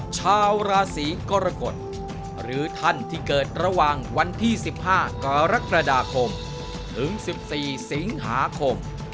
ชาวราศีกรกฎหรือท่านที่เกิดระหว่างวันที่๑๕กรกฎาคมถึง๑๔สิงหาคม